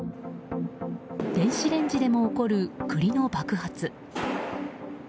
電子レンジでも起こる栗の爆発。